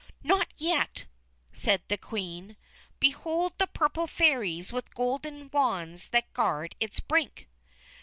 "Not yet," said the Queen. "Behold the Purple Fairies with golden wands that guard its brink."